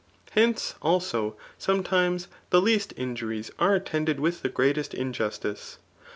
Hence, also, [sometinie63 the least injuries are attended with the greatest [injustice.